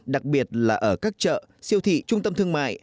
đặc biệt là ở các chợ siêu thị trung tâm thương mại